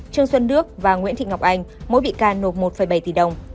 trương xuân đức và nguyễn thị ngọc anh mỗi bị can nộp một bảy tỷ đồng